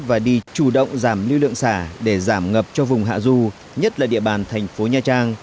và đi chủ động giảm lưu lượng xả để giảm ngập cho vùng hạ du nhất là địa bàn thành phố nha trang